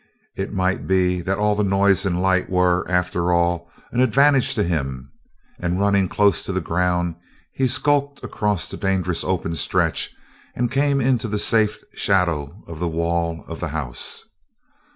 It might be that all the noise and light were, after all, an advantage to him, and, running close to the ground, he skulked across the dangerous open stretch and came into the safe shadow of the wall of the house.